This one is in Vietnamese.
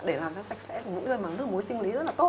để làm cho sạch sẽ mũi rơi bằng nước mũi sinh lý rất là tốt